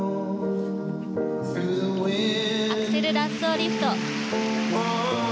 アクセルラッソーリフト。